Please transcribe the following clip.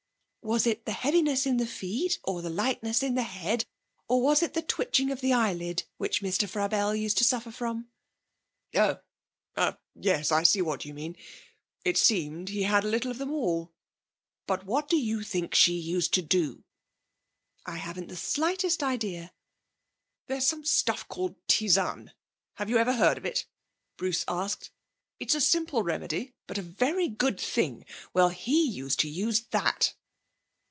'Was it the heaviness in the feet, or the lightness in the head, or was it the twitching of the eyelid which Mr. Frabelle used to suffer from?' 'Oh, ah! Yes, I see what you mean. It seemed he had a little of them all. But what do you think she used to do?' 'I haven't the slightest idea.' 'There's some stuff called Tisane have you ever heard of it?' Bruce asked. 'It's a simple remedy, but a very good thing. Well, he used to use that.'